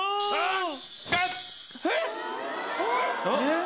えっ！？